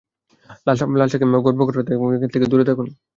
লালসা কিংবা গর্ব করা থেকে দূরে থাকুন।